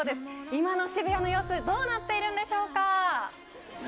今の渋谷の様子どうなっているのでしょうか。